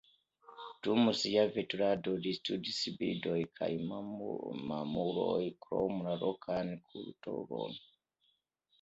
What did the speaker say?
Dum sia veturado li studis birdojn kaj mamulojn krom la lokan kulturon.